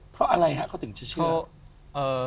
เพราะอะไรฮะเขาถึงจะเชื่อ